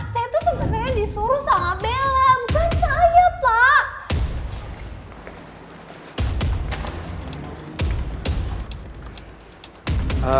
saya tuh sebenarnya disuruh sama bella bukan saya pak